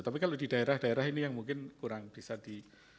tapi kalau di daerah daerah ini yang mungkin kurang bisa di